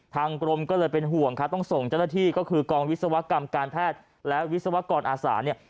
ทางกรมก็เลยเป็นห่วงครับต้องส่งเจ้าหน้าที่ก็คือกองวิศวกรรมการแพทย์และวิศวกรอาสาเนี่ย